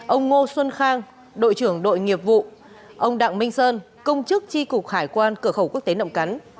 ông ngô xuân khang đội trưởng đội nghiệp vụ ông đặng minh sơn công chức tri cục hải quan cửa khẩu quốc tế nậm cắn